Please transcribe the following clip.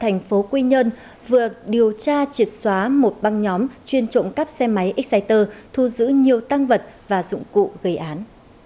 thành phố quy nhơn vừa điều tra triệt xóa một băng nhóm chuyên trộm cắp xe máy exciter thu giữ nhiều tăng vật và dụng cụ gây án